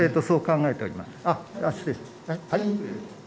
そう考えております。